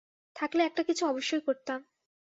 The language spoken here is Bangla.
থাকলে একটা কিছু অবশ্যই করতাম।